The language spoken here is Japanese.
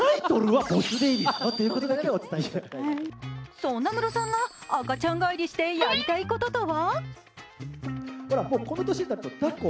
そんなムロさんが赤ちゃん返りしてやりたいこととは？